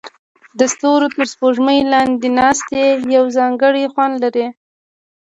د ستورو تر سپوږمۍ لاندې ناستې یو ځانګړی خوند لري.